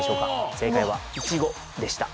正解はいちごでした。